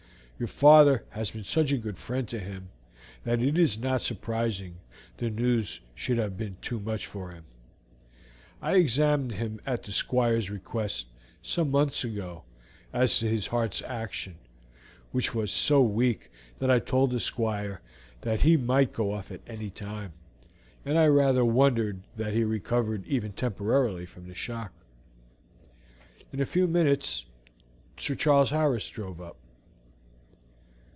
Your father has been such a good friend to him that it is not surprising the news should have been too much for him. I examined him at the Squire's request some months ago as to his heart's action, which was so weak that I told the Squire then that he might go off at any time, and I rather wonder that he recovered even temporarily from the shock." In a few minutes Sir Charles Harris drove up.